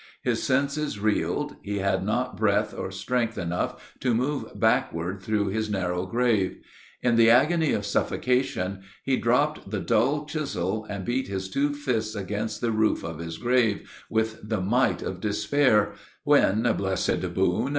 His senses reeled; he had not breath or strength enough to move backward through his narrow grave. In the agony of suffocation he dropped the dull chisel and beat his two fists against the roof of his grave with the might of despair when, blessed boon!